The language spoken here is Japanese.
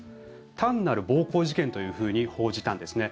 単なる暴行事件というふうに報じたんですね。